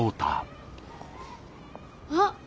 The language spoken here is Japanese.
あっ！